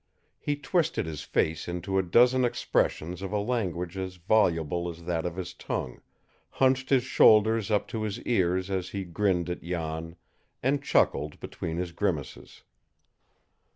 He twisted his face into a dozen expressions of a language as voluble as that of his tongue, hunched his shoulders up to his ears as he grinned at Jan, and chuckled between his grimaces.